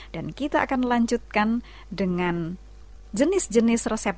dan kita akan melanjutkan dengan jenis jenis resep